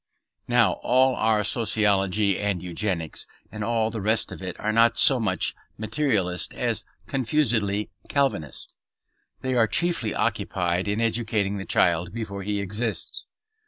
Now all our sociology and eugenics and the rest of it are not so much materialist as confusedly Calvinist, they are chiefly occupied in educating the child before he exists.